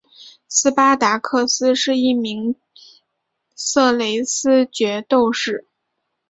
斯巴达克斯是一名色雷斯角斗士。